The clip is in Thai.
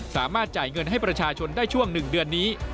สามารถจ่ายเงินให้ประชาชนได้ช่วง๑เดือนนี้